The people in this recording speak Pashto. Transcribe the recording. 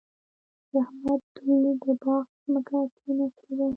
د احمد دوی د باغ ځمکه کېنستې ده.